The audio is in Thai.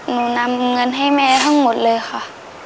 นำเงินให้แม่ทั้งหมดเลยค่ะ